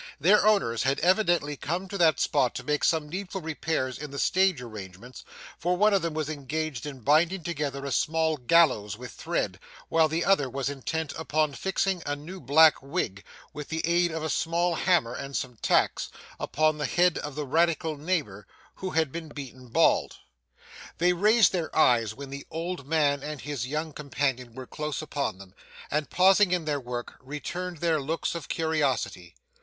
Their owners had evidently come to that spot to make some needful repairs in the stage arrangements, for one of them was engaged in binding together a small gallows with thread, while the other was intent upon fixing a new black wig, with the aid of a small hammer and some tacks, upon the head of the radical neighbour, who had been beaten bald. They raised their eyes when the old man and his young companion were close upon them, and pausing in their work, returned their looks of curiosity.